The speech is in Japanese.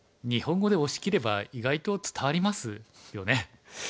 日本語で押し切れば意外と伝わりますよね。